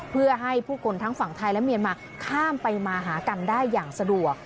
เพื่อให้ผู้คนทั้งฝั่งไทยและเมียนมาข้ามไปมาหากันได้อย่างสะดวก